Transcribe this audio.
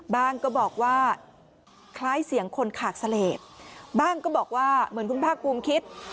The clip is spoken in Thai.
ก็บอกว่าคล้ายเสียงคนขากเสลดบ้างก็บอกว่าเหมือนคุณภาคภูมิคิด